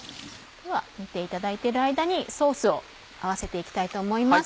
では見ていただいている間にソースを合わせて行きたいと思います。